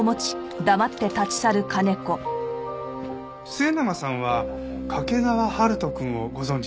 末永さんは掛川春人くんをご存じですね。